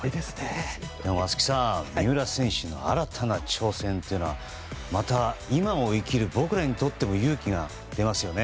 松木さん、三浦選手の新たな挑戦というのはまた今を生きる僕らにとっても勇気が出ますよね。